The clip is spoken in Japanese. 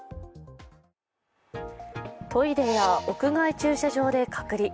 トイレや屋外駐車場で隔離。